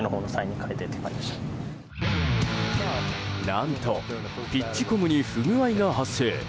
何とピッチコムに不具合が発生。